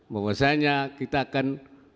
bahwasanya kita akan